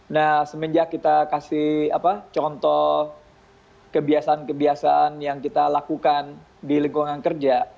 nah semenjak kita kasih contoh kebiasaan kebiasaan yang kita lakukan di lingkungan kerja